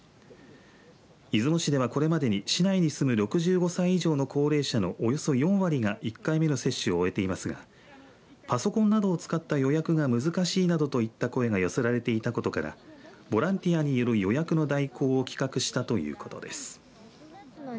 出雲市ではこれまでに市内に住む６５歳以上の高齢者のおよそ４割が１回目の接種を終えていますがパソコンなどを使った予約が難しいなどといった声が寄せられていたことからボランティアによる予約の代行を企画したということです。